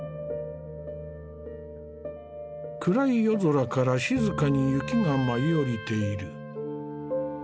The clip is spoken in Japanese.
暗い夜空から静かに雪が舞い降りている。